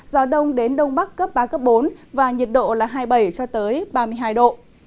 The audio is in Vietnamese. gió đông đến đông bắc cấp ba cấp bốn và nhiệt độ là hai mươi bảy cho tới ba mươi hai độ